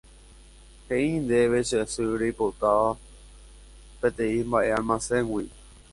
He'ika ndéve che sy reipotápa peteĩ mba'e almacéngui